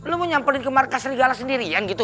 lu mau nyamperin ke markas serigala sendirian gitu